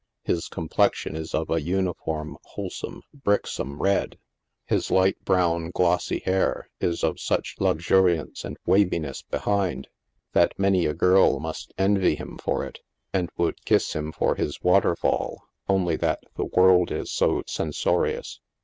His complexion is of a uniform, wholesome, bricksome red. His light brown, glossy hair is of such luxuriance and waviness behind, that many a girl must envy him for it, and would kis3 him for his waterfall, only that the world is so censorious.